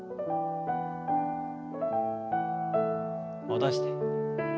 戻して。